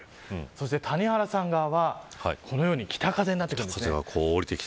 そして、谷原さん側はこのように北風になってくるんですね。